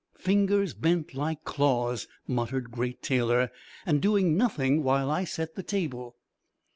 "Fingers bent like claws," muttered Great Taylor, "and doing nothing while I set the table."